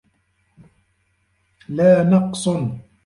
لَا نَقْصٌ